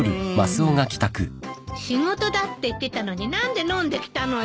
仕事だって言ってたのに何で飲んできたのよ。